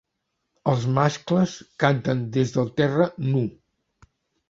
Els mascles canten des del terra nu.